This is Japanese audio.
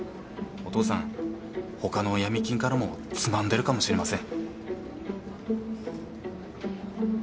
お父さん他の闇金からもつまんでるかもしれません。